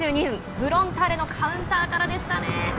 フロンターレのカウンターからでしたね。